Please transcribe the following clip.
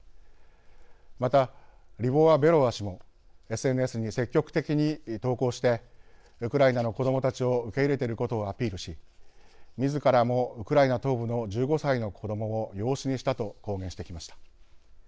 また、リボワベロワ氏もＳＮＳに積極的に投稿してウクライナの子どもたちを受け入れていることをアピールしみずからもウクライナ東部の１５歳の子どもを養子にしたと公言してきました。